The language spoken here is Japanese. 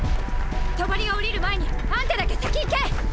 帳が下りる前にあんただけ先行け！